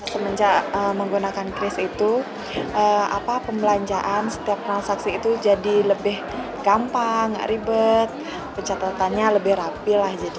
semenjak menggunakan kris itu pembelanjaan setiap transaksi itu jadi lebih gampang ribet pencatatannya lebih rapi lah gitu